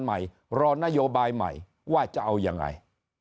ใหม่รอนโยบายใหม่ว่าจะเอายังไง